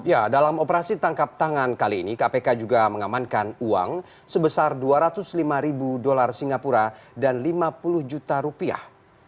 ya dalam operasi tangkap tangan kali ini kpk juga mengamankan uang sebesar dua ratus lima ribu dolar singapura dan lima puluh juta rupiah